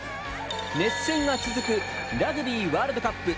熱戦が続くラグビーワールドカップ。